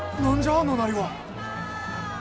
あのなりは。